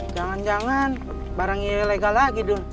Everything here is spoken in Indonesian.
jangan jangan barangnya ilegal lagi dul